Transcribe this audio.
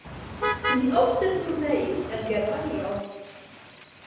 Li ofte turneis en Germanio.